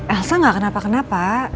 elsa gak kenapa kenapa